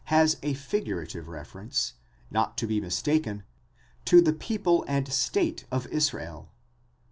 has a figurative reference, not to be mis taken, to the people and state of Israel.